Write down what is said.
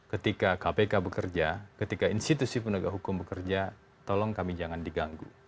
ketika kpk bekerja ketika institusi penegak hukum bekerja tolong kami jangan diganggu